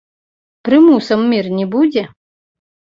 Прымусам мір не будзе?